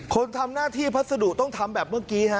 คนทำหน้าที่พัสดุต้องทำแบบเมื่อกี้ฮะ